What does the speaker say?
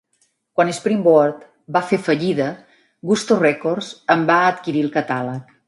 Quan Springboard va fer fallida, Gusto Records en va adquirir el catàleg.